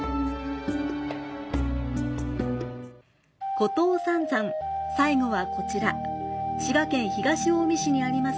湖東三山、最後はこちら滋賀県東近江市にあります